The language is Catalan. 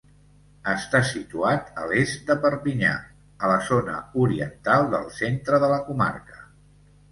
Està situat a l'est de Perpinyà, a la zona oriental del centre de la comarca.